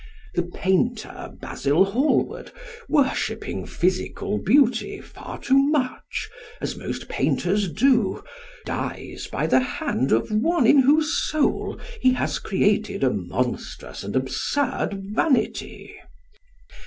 The painter, Basil Hallward, worshipping physical beauty far too much, as most painters do, dies by the hand of one in whose soul he has created a monstrous and absurd vanity.